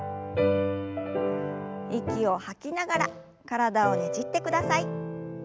息を吐きながら体をねじってください。